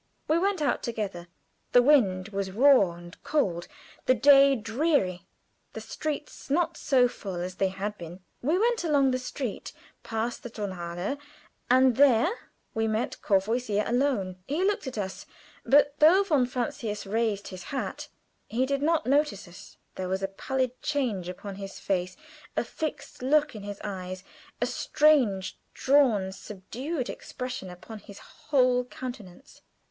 We went out together. The wind was raw and cold, the day dreary, the streets not so full as they had been. We went along the street past the Tonhalle, and there we met Courvoisier alone. He looked at us, but though von Francius raised his hat, he did not notice us. There was a pallid change upon his face, a fixed look in his eyes, a strange, drawn, subdued expression upon his whole countenance.